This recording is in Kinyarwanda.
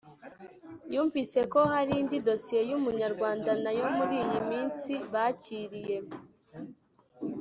yumvise ko hari indi dosiye y’Umunyarwanda nayo muri iyi minsi bakiriye